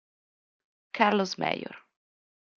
Carlos Mayor